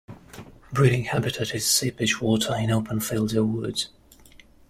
Breeding habitat is seepage water in open fields or woods.